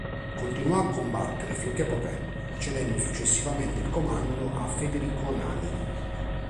Continuò a combattere finché poté, cedendo successivamente il comando a Federico Nani.